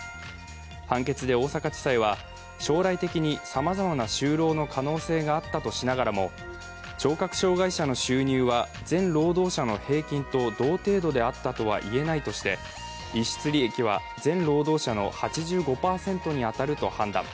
判決で大阪地裁は将来的にさまざまな就労の可能性があったとしながらも、聴覚障害者の収入は全労働者の平均と同程度であったとはいえないとして、逸失利益は全労働者の８５％に当たると判断。